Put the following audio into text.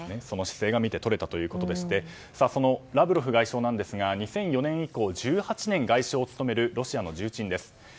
その姿勢が見て取れたということでしてラブロフ外相ですが２００４年以降１８年外相を務めるロシアの重鎮です。